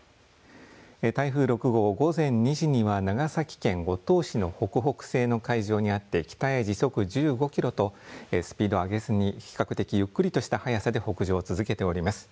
台風６号、午前２時には長崎県五島市の北北西の海上にあって北へ時速１５キロとスピードを上げずに比較的ゆっくりとした速さで北上を続けております。